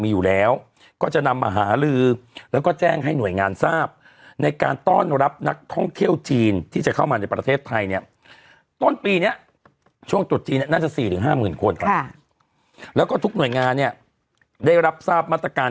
มีอยู่แล้วก็จะนำมาหาลือแล้วก็แจ้งให้หน่วยงานทราบในการต้อนรับนักท่องเที่ยวจีนที่จะเข้ามาในประเทศไทยเนี่ยต้นปีนี้ช่วงตรุษจีนเนี่ยน่าจะ๔๕๐๐๐คนครับแล้วก็ทุกหน่วยงานเนี่ยได้รับทราบมาตรการ